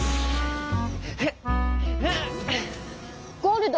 ゴールド！